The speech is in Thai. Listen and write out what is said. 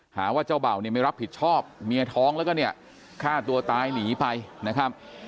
หาว่าเจ้าเบ่าเนี่ยไม่รับผิดชอบเมียท้องแล้วก็เนี่ยฆ่าตัวตายหนีไปนะครับ